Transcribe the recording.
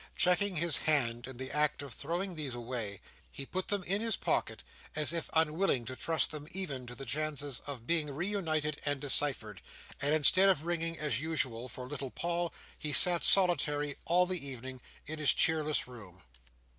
Checking his hand in the act of throwing these away, he put them in his pocket, as if unwilling to trust them even to the chances of being re united and deciphered; and instead of ringing, as usual, for little Paul, he sat solitary, all the evening, in his cheerless room.